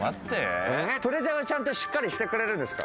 プレゼンは、しっかりしてくれるんですか？